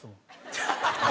ハハハハ！